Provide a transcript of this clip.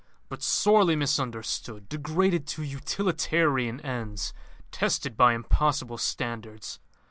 "But sorely misunderstood; degraded to utilitarian ends; tested by impossible standards.